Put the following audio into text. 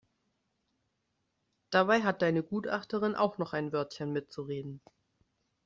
Dabei hat deine Gutachterin auch noch ein Wörtchen mitzureden.